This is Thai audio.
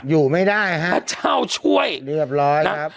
อยู่ไม่ได้ฮะพระเจ้าช่วยเรียบร้อยแล้ว